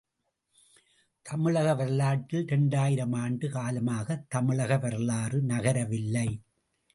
தமிழக வரலாற்றில் இரண்டாயிரம் ஆண்டு காலமாகத் தமிழக வரலாறு நகரவில்லை.